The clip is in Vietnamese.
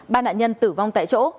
ba nạn nhân tử vong tại chỗ